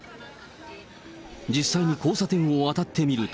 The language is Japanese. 実際に交差点を渡ってみると。